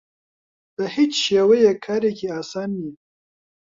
بە هیچ شێوەیەک کارێکی ئاسان نییە.